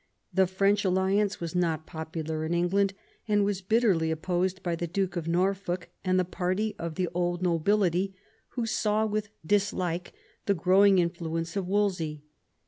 The French alliance was not popular in England, and was bitterly opposed by the Duke of Norfolk and the party of the old nobility, who saw with dislike the growing influence of Wolsey.